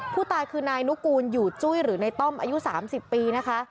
ผู้ตายคือนายนุกูลอยู่จุ้ยหรือในต้อมอายุ๓๐ปีนะคะ